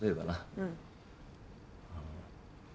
うん。